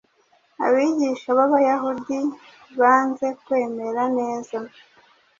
abigisha b’Abayahudi banze kwemera neza